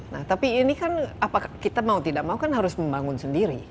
nah tapi ini kan kita mau tidak mau kan harus membangun sendiri